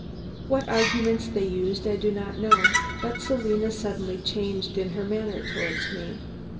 What arguments they used I do not know, but Selina suddenly changed in her manner towards me.